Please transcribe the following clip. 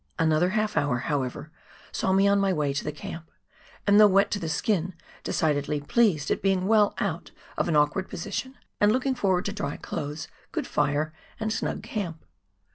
Another half hour, however I 114 PIONEER WORK IN THE ALPS OF NEW ZEALAND. saw me on my way to the camp, and thougli wet to the skin, decidedly pleased at being well out of an awkward position, and looking forward to dry clothes, good fire, and snug camp.